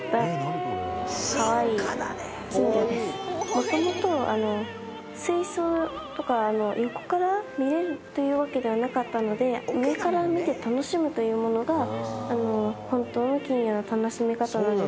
もともと水槽とか横から見えるというわけではなかったので上から見て楽しむというものが本当の金魚の楽しみ方なんですけど。